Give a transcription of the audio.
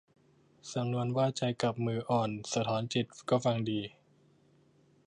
สำนวนว่าใจกลับมืออ่อนสะท้อนจิต ก็ฟังดี